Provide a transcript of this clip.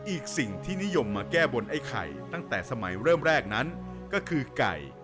อีกสิ่งที่นิยมมาแก้บนไอ้ไข่ตั้งแต่สมัยเริ่มแรกนั้นก็คือไก่